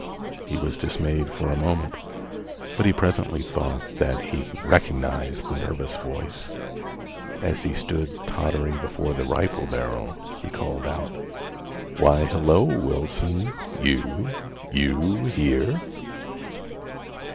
He was dismayed for a moment, but he presently thought that he recognized the nervous voice. As he stood tottering before the rifle barrel, he called out: "Why, hello, Wilson, you—you here?"